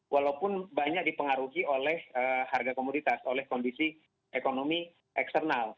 walaupun banyak dipengaruhi oleh harga komoditas oleh kondisi ekonomi eksternal